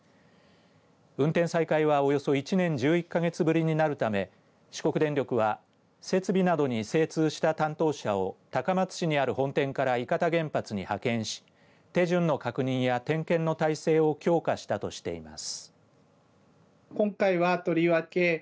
運転再開は、およそ１年１１か月ぶりになるため四国電力は設備などに精通した担当者を高松市にある本店から伊方原発に派遣し手順の確認や点検の体制を強化したとしています。